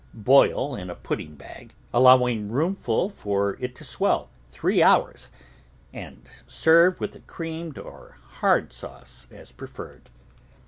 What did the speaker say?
Boil in a pudding bag, allowing room for it to swell, three hours, and serve with a creamed or hard sauce as preferred.